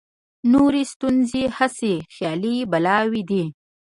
نورې ستونزې هسې خیالي بلاوې دي.